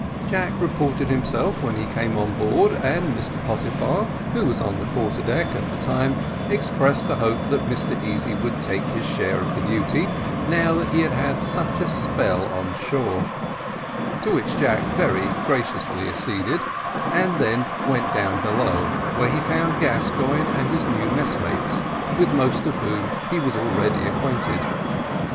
Jack reported himself when he came on board, and Mr Pottyfar, who was on the quarter deck at the time, expressed a hope that Mr Easy would take his share of the duty, now that he had had such a spell on shore; to which Jack very graciously acceded, and then went down below, where he found Gascoigne and his new messmates, with most of whom he was already acquainted.